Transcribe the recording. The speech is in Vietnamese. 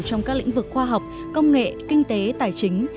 trong các lĩnh vực khoa học công nghệ kinh tế tài chính